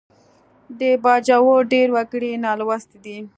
د باجوړ ډېر وګړي نالوستي دي